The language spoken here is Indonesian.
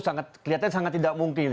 sangat kelihatan tidak mungkin